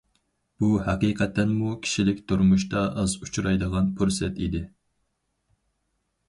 بۇ ھەقىقەتەنمۇ كىشىلىك تۇرمۇشتا ئاز ئۇچرايدىغان پۇرسەت ئىدى.